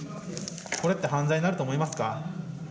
これって犯罪になると思いますか？